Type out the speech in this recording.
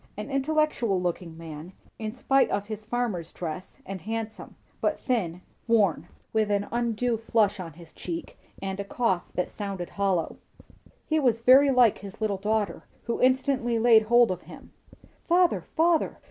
An intellectual looking man, in spite of his farmer's dress, and handsome; but thin, worn, with an undue flush on his cheek, and a cough that sounded hollow. He was very like his little daughter, who instantly laid hold of him. "Father, father!